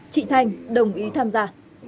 chị thanh đồng ý tham gia